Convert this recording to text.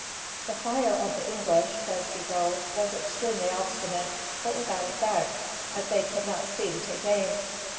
"The fire of the English," says Bigot, "was extremely obstinate, but without effect, as they could not see to take aim."